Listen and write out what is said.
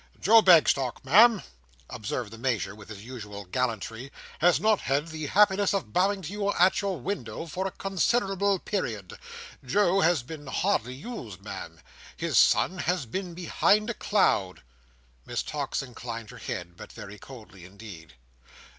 "Joe Bagstock, Ma'am," observed the Major, with his usual gallantry, "has not had the happiness of bowing to you at your window, for a considerable period. Joe has been hardly used, Ma'am. His sun has been behind a cloud." Miss Tox inclined her head; but very coldly indeed.